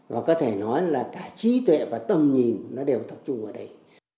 và có thể nói là cả trí tuệ và tầm nhìn nó đều tập trung ở đây